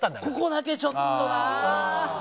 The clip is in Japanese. ここだけちょっとな。